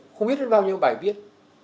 không biết có bao nhiêu bài viết